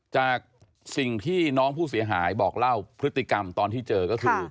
จากสิ่งที่น้องผู้เสียหายบอกเล่าพฤติกรรมตอนที่เจอก็คือ